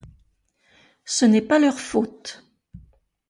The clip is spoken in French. Ce n'est pas leur faute.